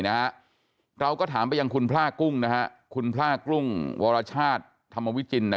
เราก็ถามไปยังคุณพล่ากุ้งคุณพล่ากุ้งวรชาติธรรมวิจิน